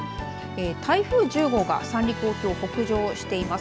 台風１０号が三陸沖を北上しています。